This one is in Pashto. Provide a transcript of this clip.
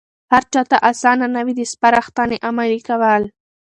هرچاته آسانه نه وي د سپارښتنې عملي کول.